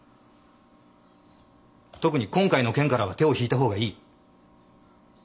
特に今回の件からは手を引いたほうがいい。